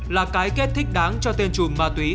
là cái kết thích đáng cho tên chùm ma túy